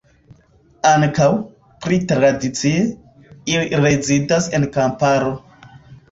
Ankaŭ, pli tradicie, ili rezidas en kamparo.